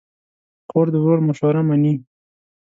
خور د ورور مشوره منې.